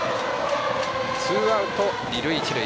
ツーアウト、二塁一塁。